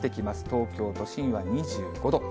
東京都心は２５度。